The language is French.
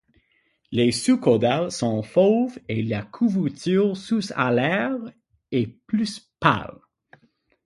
Les sous-caudales sont fauve et la couverture sous-alaire est plus pâle.